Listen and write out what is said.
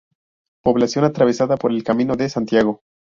Población atravesada por el Camino de Santiago.